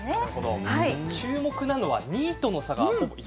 注目なのが２位との差が１％。